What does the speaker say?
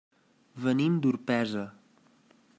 Venim d'Orpesa.